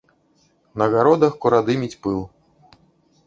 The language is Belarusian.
На гародах курадыміць пыл.